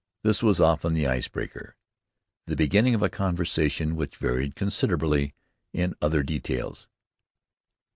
This was often the ice breaker, the beginning of a conversation which varied considerably in other details.